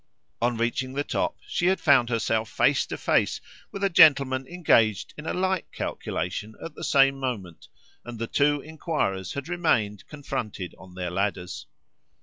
On reaching the top she had found herself face to face with a gentleman engaged in a like calculation at the same moment, and the two enquirers had remained confronted on their ladders.